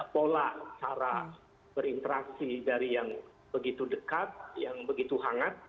pola cara berinteraksi dari yang begitu dekat yang begitu hangat